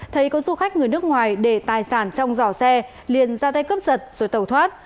thấy có du khách người nước ngoài để tài sản trong dò xe liền ra tay cướp sật rồi tẩu thoát